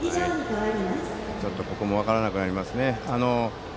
ここも分からなくなりますね。